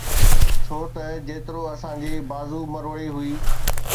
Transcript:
ڇو ته جيترو اسان جي بازو مروڙي هئي.